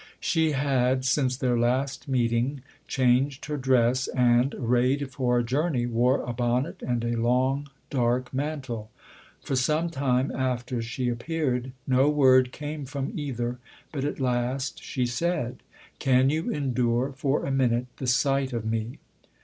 She had since their last meeting changed her dress and, arrayed for a journey, wore a bonnet and a long f dark mantle. For some time after she appeared no word came from either ; but at last she said :" Can you endure for a minute the sight of me?"